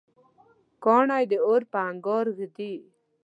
کاڼی د اور په انګار ږدي.